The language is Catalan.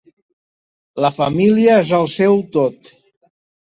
La família és el seu tot.